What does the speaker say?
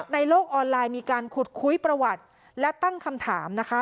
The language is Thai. ในโลกออนไลน์มีการขุดคุยประวัติและตั้งคำถามนะคะ